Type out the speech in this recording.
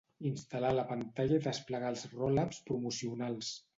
Instal·lar la pantalla i desplegar els roll-ups promocionals.